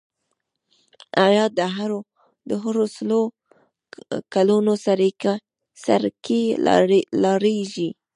الله د هرو سلو کلونو سر کې رالېږي.